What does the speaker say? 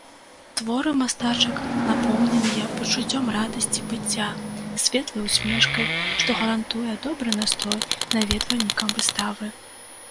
Творы мастачак напоўненыя пачуццём радасці быцця, светлай усмешкай, што гарантуе добры настрой наведвальнікам выставы.